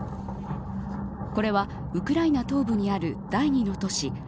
これはウクライナ東部にある第２の都市